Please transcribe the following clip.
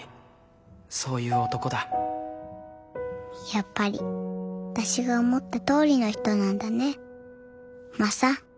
やっぱり私が思ったとおりの人なんだねマサ。